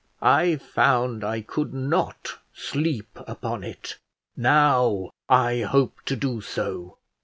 I found I could not sleep upon it: now I hope to do so."